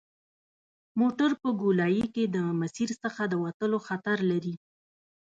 موټر په ګولایي کې د مسیر څخه د وتلو خطر لري